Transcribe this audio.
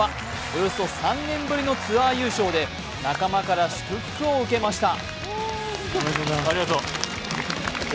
およそ３年ぶりのツアー優勝で仲間から祝福を受けました。